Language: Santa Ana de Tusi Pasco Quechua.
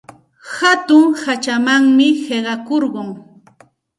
Hatun hachamanmi qiqakurqun.